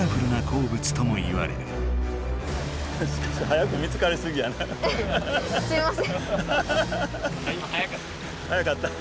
早かった。